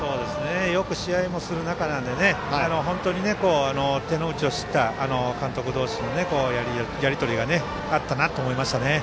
よく試合もされますし本当に手の内を知った監督同士のやり取りがあったなと思いましたね。